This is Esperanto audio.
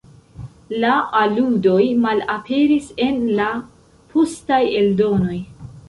La aludoj malaperis en la postaj eldonoj.